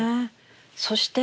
そして。